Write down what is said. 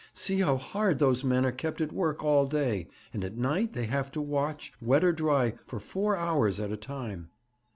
See how hard those men are kept at work all day; and at night they have to watch, wet or dry, for four hours at a time.'